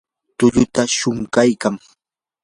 tulluta shuquykan.